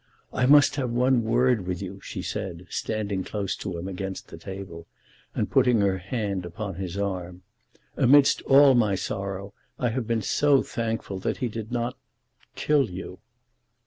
"I must have one word with you," she said, standing close to him against the table, and putting her hand upon his arm. "Amidst all my sorrow, I have been so thankful that he did not kill you." [Illustration: "I must have one word with you."